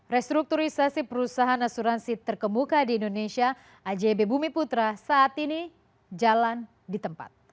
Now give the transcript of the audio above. restrukturisasi perusahaan asuransi terkemuka di indonesia ajb bumi putra saat ini jalan di tempat